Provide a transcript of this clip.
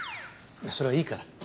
それはいいから。